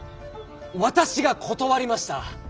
私が断りました。